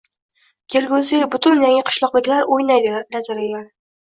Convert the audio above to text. kelgusi yil butun yangiqishloqliklar o‘ynaydi lotoreyani.